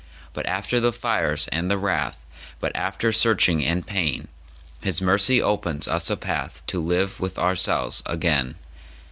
But after the fires and the wrath, But after searching and pain, His Mercy opens us a pathTo live with ourselves again.